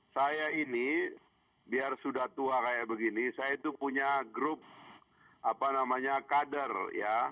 saya ini biar sudah tua kayak begini saya itu punya grup apa namanya kader ya